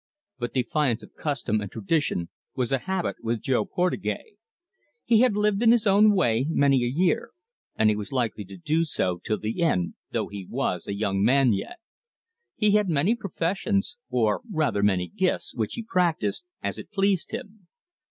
But defiance of custom and tradition was a habit with Jo Portugais. He had lived in his own way many a year, and he was likely to do so till the end, though he was a young man yet. He had many professions, or rather many gifts, which he practised as it pleased him.